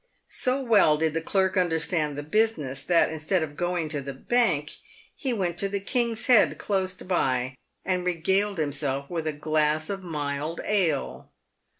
So well did the clerk understand the business, that, instead of going to the bank, he went to the King's Head, close by, and re galed himself with a glass of mild ale.